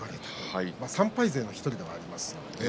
３敗勢の１人でもあります。